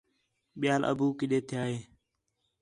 ٻِیال ابو کݙّے تِھیا ہے